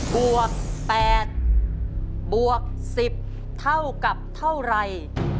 บวก๘บวก๑๐เท่ากับเท่าไร